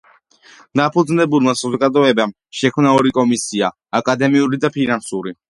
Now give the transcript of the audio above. დამფუძნებელმა საზოგადოებამ შექმნა ორი კომისია: აკადემიური და ფინანსური.